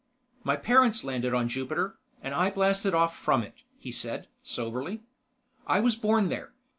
"My parents landed on Jupiter, and I blasted off from it," he said soberly. "I was born there.